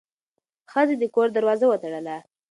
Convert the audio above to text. ښځه د کور دروازه وتړله.